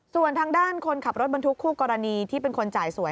ส่วนทางด้านคนขับรถบรรทุกคู่กรณีที่เป็นคนจ่ายสวย